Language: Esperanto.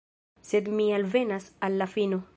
Sed mi alvenas al la fino.